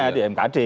ya di mkd